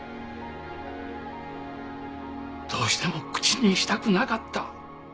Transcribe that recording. どうしても口にしたくなかった。